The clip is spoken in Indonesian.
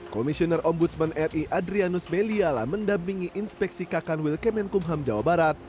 komisioner ombudsman ri adrianus meliala mendampingi inspeksi kakan wilkemenkumham jawa barat